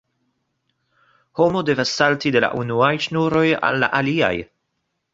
Homo devas salti de la unuaj ŝnuroj al la aliaj.